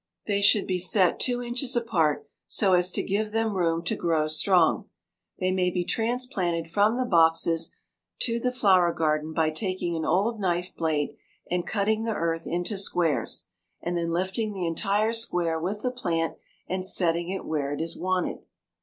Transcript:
They should be set two inches apart so as to give them room to grow strong. They may be transplanted from the boxes to the flower garden by taking an old knife blade and cutting the earth into squares, and then lifting the entire square with the plant and setting it where it is wanted.